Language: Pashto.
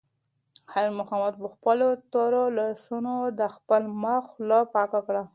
خیر محمد په خپلو تورو لاسونو د خپل مخ خوله پاکه کړه.